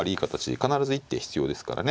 必ず一手必要ですからね。